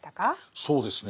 そうですね